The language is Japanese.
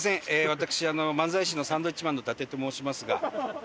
私漫才師のサンドウィッチマンの伊達と申しますが。